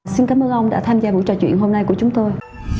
xin cảm ơn ông đã tham gia buổi trò chuyện hôm nay của chúng tôi